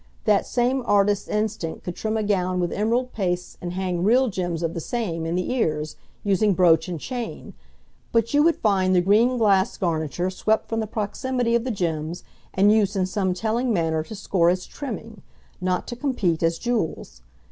That same artist's instinct could trim a gown with emerald pastes and hang real gems of the same in the ears, using brooch and chain, but you would find the green glass garniture swept from the proximity of the gems and used in some telling manner to score as trimming, not to compete as jewels.